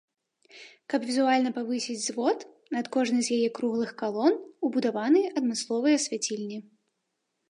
Каб візуальна павысіць звод, над кожнай з яе круглых калон убудаваны адмысловыя свяцільні.